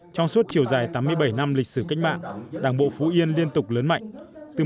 trong suốt chiều dài tám mươi bảy năm lịch sử cách mạng đảng bộ phú yên liên tục lớn mạnh